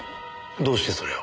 どうしてそれを？